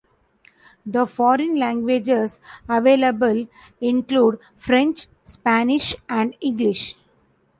The foreign languages available include French, Spanish, and English.